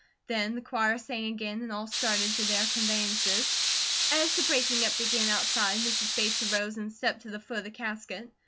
Then the choir sang again and all started to their conveyances. As the breaking up began outside, Mrs. Bates arose and stepped to the foot of the casket.